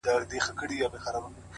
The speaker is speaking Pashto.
o اوس دي لا د حسن مرحله راغلې نه ده؛